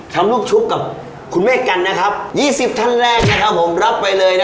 ต้องขอขอบคุณแม่กันมากค่ะ